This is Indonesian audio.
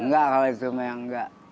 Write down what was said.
enggak kalau itu mbak